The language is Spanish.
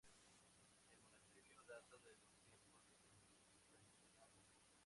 El monasterio data de los tiempos de Justiniano.